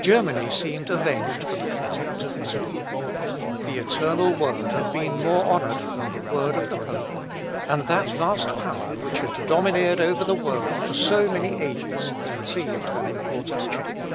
Germany seemed avenged for the contempt of Italy. The eternal Word had been more honoured than the word of the pope; and that vast power which had domineered over the world for so many ages had received an important check.